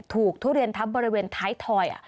ทุเรียนทับบริเวณท้ายถอย